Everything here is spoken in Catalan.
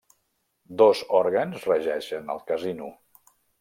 Dos òrgans regeixen el Casino.